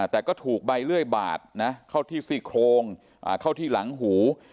แต่ก็ถูกใบเลื่อยบาดนะเข้าที่ซี่โครงเข้าที่หลังหู